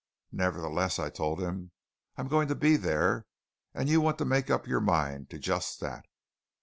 "Nevertheless," I told him, "I'm going to be there; and you want to make up your mind to just that."